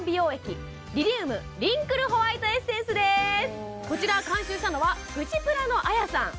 今こちら監修したのはプチプラのあやさん